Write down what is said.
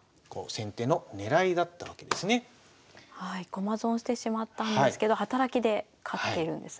駒損してしまったんですけど働きで勝っているんですね。